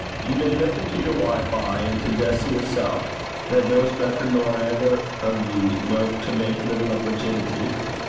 Ye may lippen to yer wife, ay, an' to Jessie hersel', that kens better nor eyther o' ye, no to mak little o' virginity.